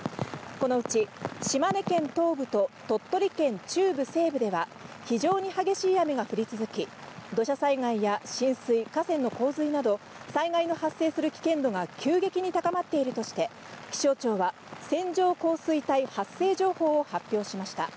このうち島根県東部と鳥取県中部西部では、非常に激しい雨が降り続き、土砂災害や浸水、河川の洪水など災害が発生する危険度が急激に高まっているとして、気象庁は線状降水帯発生情報を発表しました。